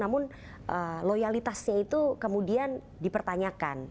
namun loyalitasnya itu kemudian dipertanyakan